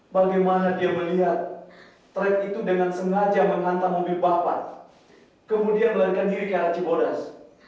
bagaimana dia melihat truk itu dengan sengaja menghantar mobil bapak kemudian melarikan diri kayak racibodas